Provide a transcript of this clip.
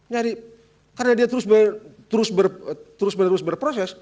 jadi karena dia terus menerus berproses